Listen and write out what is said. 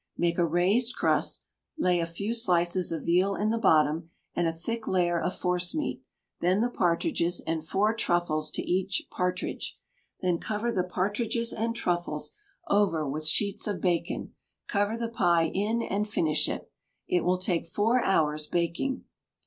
Make a raised crust; lay a few slices of veal in the bottom, and a thick layer of forcemeat; then the partridges, and four truffles to each partridge; then cover the partridges and truffles over with sheets of bacon, cover the pie in, and finish it. It will take four hours baking.